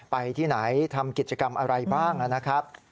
ไปที่ไหนทำกิจกรรมอะไรบ้างนะครับ